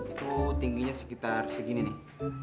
itu tingginya sekitar segini nih